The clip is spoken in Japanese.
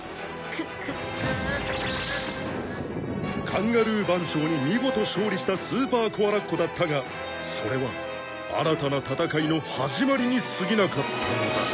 カンガルー番長に見事勝利したスーパーコアラッコだったがそれは新たな戦いの始まりにすぎなかったのだ